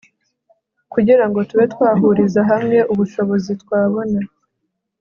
kugira ngo tube twahuriza hamwe ubushobozi twabona